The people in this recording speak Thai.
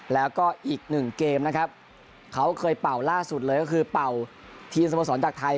แล้วก็อีกหนึ่งเกมนะครับเขาเคยเป่าล่าสุดเลยก็คือเป่าทีมสโมสรจากไทย